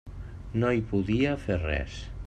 No hi podia fer res.